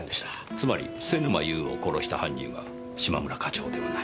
つまり瀬沼優を殺した犯人は嶋村課長ではない。